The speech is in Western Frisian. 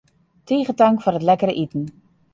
Tige tank foar it lekkere iten.